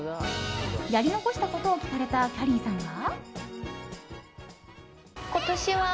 やり残したことを聞かれたきゃりーさんは。